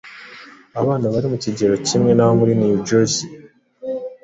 abana bari mu kigero kimwe bo muri New Jersey.